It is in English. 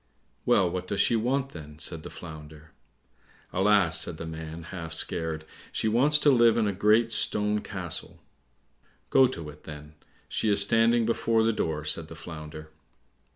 "Well, what does she want, then?" said the Flounder. "Alas," said the man, half scared, "she wants to live in a great stone castle." "Go to it, then, she is standing before the door," said the Flounder.